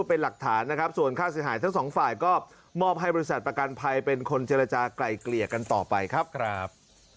เป็นหลักฐานนะครับส่วนค่าเสียหายทั้งสองฝ่ายก็มอบให้บริษัทประกันภัยเป็นคนเจรจากลายเกลี่ยกันต่อไปครับ